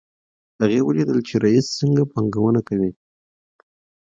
هغې ولیدل چې رییس څنګه پانګونه کوي.